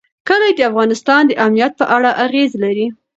کلي د افغانستان د امنیت په اړه اغېز لري.